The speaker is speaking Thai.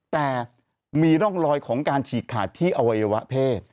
แต่มีร่องรอยของการฉีกขาดที่อวัยวะเพศ